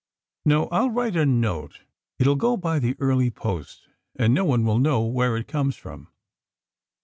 No, I'll write a note: it will go by the early post, and no one will know where it comes from."